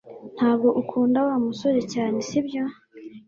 Ntabwo ukunda Wa musore cyane, sibyo?